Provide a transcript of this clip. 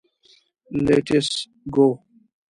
لېټس ګو.